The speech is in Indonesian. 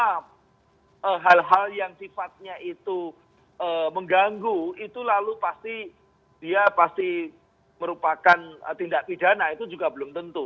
karena hal hal yang sifatnya itu mengganggu itu lalu pasti dia pasti merupakan tindak pidana itu juga belum tentu